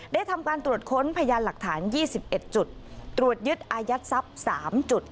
ทำการตรวจค้นพยานหลักฐาน๒๑จุดตรวจยึดอายัดทรัพย์๓จุด